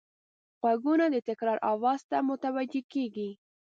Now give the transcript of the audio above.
غوږونه د تکرار آواز ته متوجه کېږي